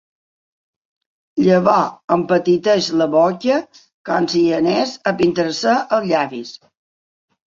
Llavors empetiteix la boca com si anés a pintar-se els llavis.